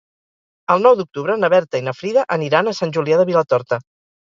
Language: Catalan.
El nou d'octubre na Berta i na Frida aniran a Sant Julià de Vilatorta.